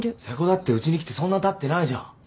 瀬古だってうちに来てそんなたってないじゃん。